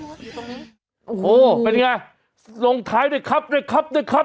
โอ้โหเป็นไงลงท้ายด้วยครับด้วยครับด้วยครับ